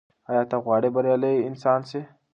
ایا ته غواړې بریالی انسان سې؟